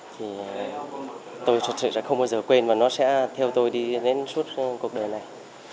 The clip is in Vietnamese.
thì tôi thật sự sẽ không bao giờ quên và nó sẽ theo tôi đi đến suốt cuộc đời này